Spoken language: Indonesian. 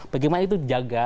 bagaimana itu dijaga